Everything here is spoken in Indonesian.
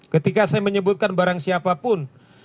ketika saya menyebutkan barang siapapun